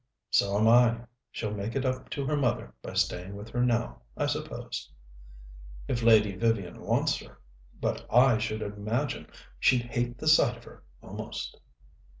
"So am I. She'll make it up to her mother by staying with her now, I suppose." "If Lady Vivian wants her. But I should imagine she'd hate the sight of her, almost."